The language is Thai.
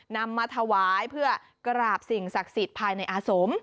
นำมาถวายเพื่อกราบสิ่งศักดิ์สิทธิ์ภายในอาสม